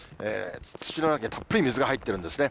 土の中にたっぷり水が入ってるんですね。